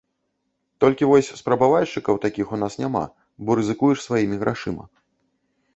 Толькі вось спрабавальшчыкаў такіх у нас няма, бо рызыкуеш сваімі грашыма.